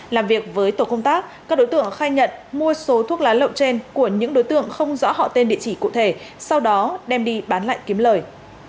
làm việc với tổ công tác các đối tượng khai nhận mua số thuốc lá lậu trên của những đối tượng không rõ họ tên địa chỉ cụ thể sau đó đem đi bán lại kiếm lời